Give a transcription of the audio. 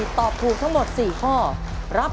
ถ้าพร้อมแล้วผมเชิญพี่แมวมาต่อชีวิตเป็นคนแรกครับ